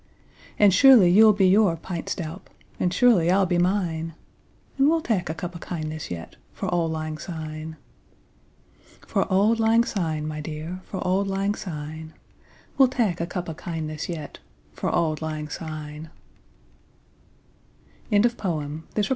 And surely ye'll be your pint stowp, And surely I'll be mine; And we'll tak a cup o' kindness yet For auld lang syne! 20 For auld lang syne, my dear, For auld lang syne, We'll tak a cup o' kindness yet For auld lang syne. GLOSS: gowans] daisies.